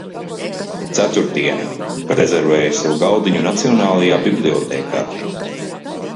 Ceturtdiena, kad rezervēju sev galdiņu nacionālajā bibliotēkā.